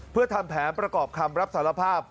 เพื่อทำแผนประกอบคำรับสารภาพ